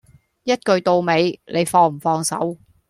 一句到尾，你放唔放手